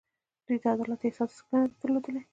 دوی د عدالت احساس هېڅکله نه دی درلودلی.